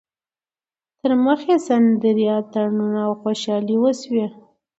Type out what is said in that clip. تر مخ یې سندرې، اتڼونه او خوشحالۍ وشوې.